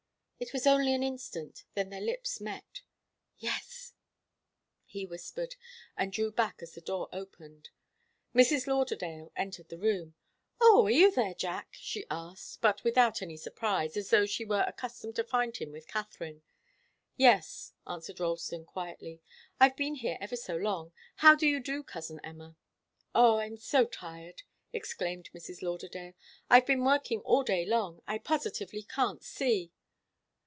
It was only an instant. Then their lips met. "Yes," he whispered, and drew back as the door opened. Mrs. Lauderdale entered the room. "Oh, are you there, Jack?" she asked, but without any surprise, as though she were accustomed to find him with Katharine. "Yes," answered Ralston, quietly. "I've been here ever so long. How do you do, cousin Emma?" "Oh, I'm so tired!" exclaimed Mrs. Lauderdale. "I've been working all day long. I positively can't see."